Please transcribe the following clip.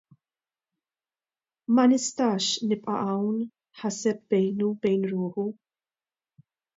" Ma nistax nibqa' hawn! " ħaseb bejnu u bejn ruħu.